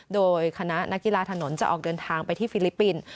โดยคณะนักกีฬาถนนจะออกเดินทางไปที่ฟิลิปปินส์